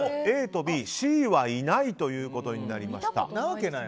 ＡとＢ、Ｃはいないということになりました。